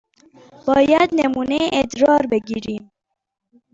باید نمونه ادرار بگیریم.